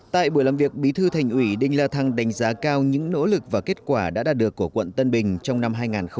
tại buổi làm việc bí thư thành ủy đinh la thăng đánh giá cao những nỗ lực và kết quả đã đạt được của quận tân bình trong năm hai nghìn hai mươi